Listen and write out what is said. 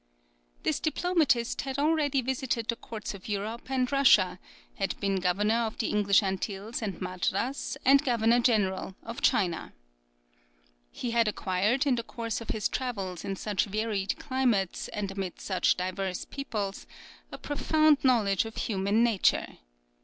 This diplomatist had already visited the courts of Europe and Russia, had been governor of the English Antilles and Madras, and Governor General of India. He had acquired in the course of his travels in such varied climates, and amid such diverse peoples, a profound knowledge of human nature.